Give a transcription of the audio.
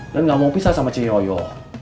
dan gak mau pisah sama ceyoyo